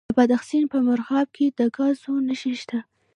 د بادغیس په مرغاب کې د ګازو نښې شته.